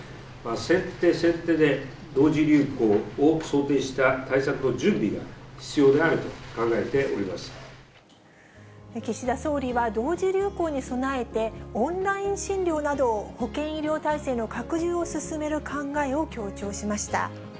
先手先手で同時流行を想定した対策の準備が必要であると考えてお岸田総理は、同時流行に備えて、オンライン診療などを保健医療体制の拡充を進める考えを強調しました。